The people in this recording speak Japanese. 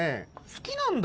好きなんだ。